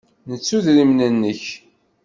Tettuḍ idrimen-nnek.